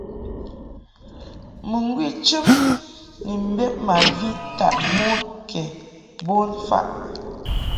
Mɨŋgwi chɨm ni mbed ma vi taʼ mon ke bon mfaʼ.